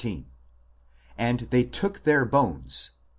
13 :" And they took their bones [i.